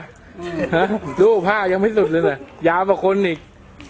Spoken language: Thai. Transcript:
ดูผ้ายังไม่สุดเลยน่ะยาวกว่าคนอีก